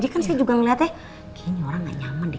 kayaknya orang gak nyaman deh